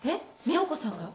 美保子さんが？